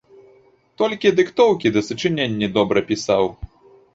Толькі дыктоўкі ды сачыненні добра пісаў.